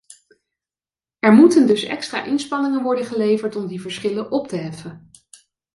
Er moeten dus extra inspanningen worden geleverd om die verschillen op te heffen.